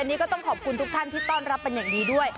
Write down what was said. อันนี้ก็ต้องขอบคุณทุกท่านที่ต้อนรับเป็นอย่างดีด้วย